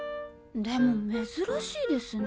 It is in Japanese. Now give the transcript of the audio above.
でも珍しいですね。